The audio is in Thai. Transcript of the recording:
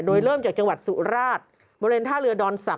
โดยเริ่มจากจังหวัดสุราชบริเวณท่าเรือดอน๓